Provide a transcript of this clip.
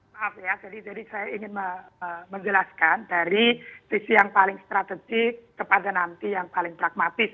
maaf ya jadi saya ingin menjelaskan dari sisi yang paling strategik kepada nanti yang paling pragmatis